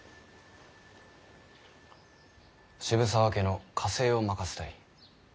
渋沢家の家政を任せたい。